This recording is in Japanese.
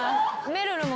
めるるが？